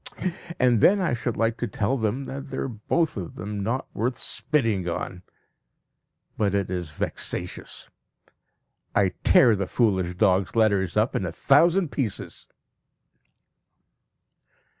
And then I should like to tell them that they are both of them not worth spitting on. But it is vexatious! I tear the foolish dog's letters up in a thousand pieces.